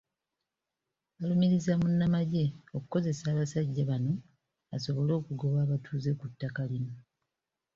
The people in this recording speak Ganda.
Balumirizza munnamagye okukozesa abasajja bano asobole okugoba abatuuze ku ttaka lino.